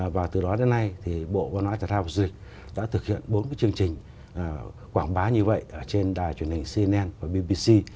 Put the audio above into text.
và từ đó đến nay thì bộ ngoại truyền hình cnn và bbc đã thực hiện bốn cái chương trình quảng bá như vậy trên đài truyền hình cnn và bbc